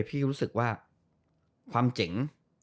รู้สึกว่าความเจ๋ง